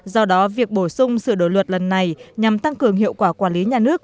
do đó việc bổ sung sửa đổi luật lần này nhằm tăng cường hiệu quả quản lý nhà nước